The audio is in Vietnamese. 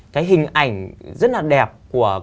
cái hình ảnh rất là đẹp của